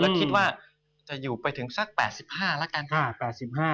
แล้วคิดว่าจะอยู่ไปถึงสัก๘๕แล้วกันค่ะ